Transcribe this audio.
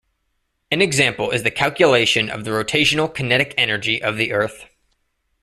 An example is the calculation of the rotational kinetic energy of the Earth.